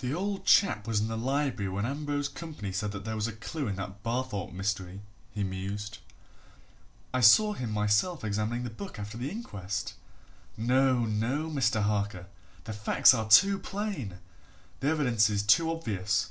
"The old chap was in the Library when Ambrose Campany said that there was a clue in that Barthorpe history," he mused. "I saw him myself examining the book after the inquest. No, no, Mr. Harker! the facts are too plain the evidences too obvious.